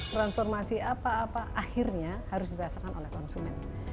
transformasi apa apa akhirnya harus dirasakan oleh konsumen